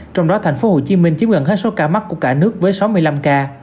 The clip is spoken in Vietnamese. trong đó thành phố hồ chí minh chiếm gần hết số ca mắc của cả nước với sáu mươi năm ca